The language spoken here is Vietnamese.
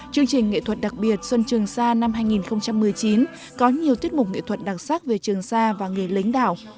chương trình nghệ thuật đặc biệt xuân trường sa năm hai nghìn một mươi chín có nhiều tiết mục nghệ thuật đặc sắc về trường sa và người lãnh đạo